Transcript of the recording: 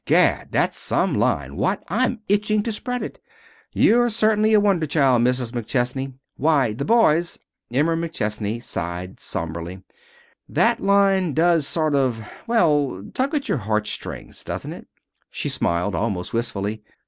Gad, that's some line, what? I'm itching to spread it. You're certainly a wonder child, Mrs. McChesney. Why, the boys " Emma McChesney sighed, somberly. "That line does sort of well, tug at your heart strings, doesn't it?" She smiled, almost wistfully.